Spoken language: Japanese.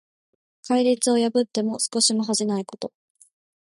戒律を破っても少しも恥じないこと。